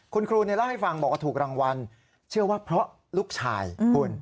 คุณครูเล่าให้ฟังบอกว่าถูกรางวัลเชื่อว่าเพราะลูกชายคุณ